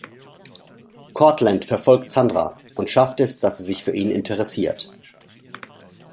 Courtland verfolgt Sandra und schafft es, dass sie sich für ihn interessiert.